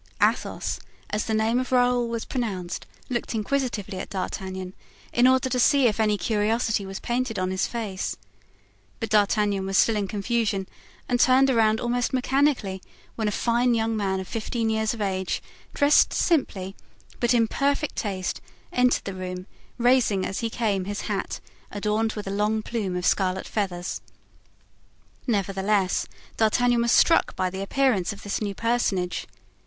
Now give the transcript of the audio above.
Athos, as the name of Raoul was pronounced, looked inquisitively at D'Artagnan, in order to see if any curiosity was painted on his face. But D'Artagnan was still in confusion and turned around almost mechanically when a fine young man of fifteen years of age, dressed simply, but in perfect taste, entered the room, raising, as he came, his hat, adorned with a long plume of scarlet feathers. Nevertheless, D'Artagnan was struck by the appearance of this new personage.